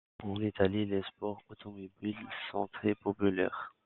En Italie, les sports automobiles sont très populaires.